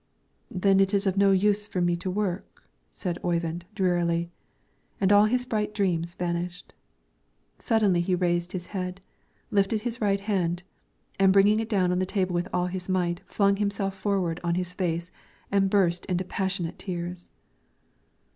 "Then it is of no use for me to work," said Oyvind, drearily, and all his bright dreams vanished. Suddenly he raised his head, lifted his right hand, and bringing it down on the table with all his might, flung himself forward on his face and burst into passionate tears.